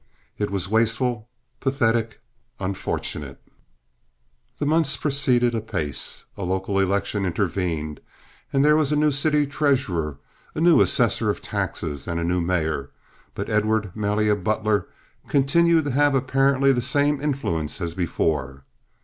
It was wasteful, pathetic, unfortunate. The months proceeded apace. A local election intervened and there was a new city treasurer, a new assessor of taxes, and a new mayor; but Edward Malia Butler continued to have apparently the same influence as before.